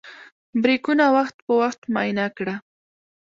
بریکونه وخت په وخت معاینه کړه.